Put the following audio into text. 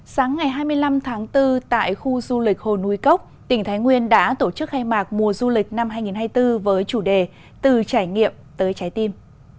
sáng ngày hai mươi năm tháng bốn tại khu du lịch hồ núi cốc tỉnh thái nguyên đã tổ chức khai mạc mùa du lịch năm hai nghìn hai mươi bốn với chủ đề từ trải nghiệm tới trái tim